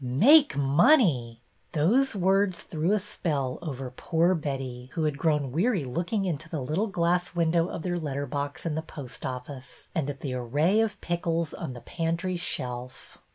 Make money !" Those words threw a spell over poor Betty, who had grown weary looking into the little glass window of their letter box in the post office and at the array of pickles on the pantry shelf.